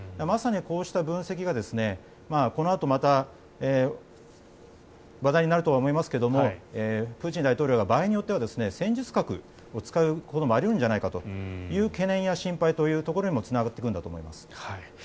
まさに、こうした分析がこのあとまた話題になると思いますがプーチン大統領が場合によっては戦術核を使うこともあり得るんじゃないかという懸念や心配にもつながってくるんだと思います。